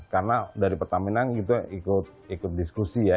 karena dari pertamina itu ikut diskusi ya